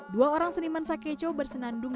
lantunan sakeco berisikan pesan berbagai makna kehidupan